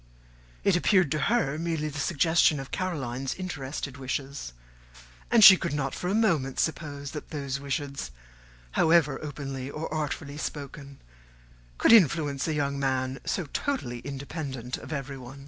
It appeared to her merely the suggestion of Caroline's interested wishes; and she could not for a moment suppose that those wishes, however openly or artfully spoken, could influence a young man so totally independent of everyone.